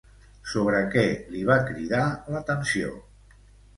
Sobre què li va cridar l'atenció?